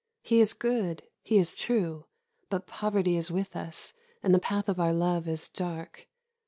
He is good; he is true; but poverty is with us, and the path of our love is dark.